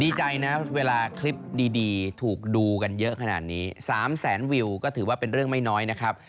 ดีใจนะเวลาคลิปดีถูกดูกันเยอะขนาดนี้๓แสนวิวก็ถือว่าเป็นเรื่องไม่น้อยนะครับ